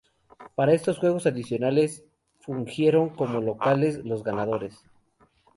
Para estos juegos adicionales fungieron como locales los ganadores.